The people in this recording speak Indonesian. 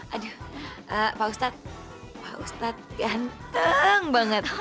aduh pak ustadz pak ustadz ganteng banget